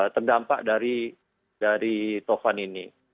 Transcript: terdampak dari sofan ini